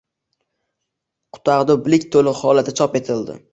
Qutadgʻu bilig toʻliq holatda chop etildi